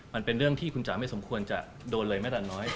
มันเป็นเรื่องที่คุณจ๋าไม่สมควรจะโดนเลยแม้แต่น้อย